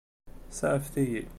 Saɛfet-iyi.